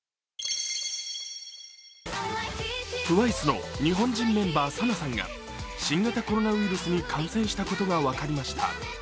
ＴＷＩＣＥの日本人メンバーＳＡＮＡさんが新型コロナウイルスに感染したことが分かりました。